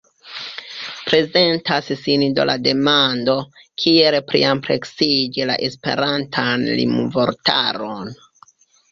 Prezentas sin do la demando, kiel pliampleksiĝi la Esperantan rimvortaron.